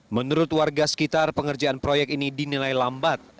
menurut warga sekitar pengerjaan proyek ini dinilai lambat